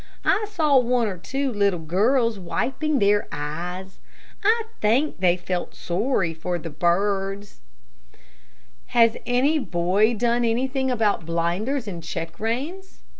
I saw one or two little girls wiping their eyes. I think they felt sorry for the birds. "Has any boy done anything about blinders and check reins?"